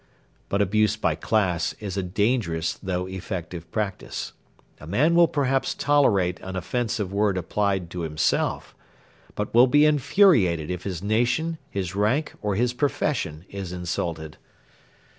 But abuse by class is a dangerous though effective practice. A man will perhaps tolerate an offensive word applied to himself, but will be infuriated if his nation, his rank, or his profession is insulted.